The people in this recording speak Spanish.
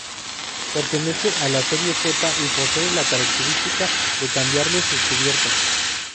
Pertenece a la serie Z y posee la característica de cambiarle sus cubiertas.